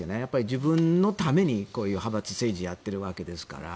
自分のためにこういう派閥政治をやっているわけですから。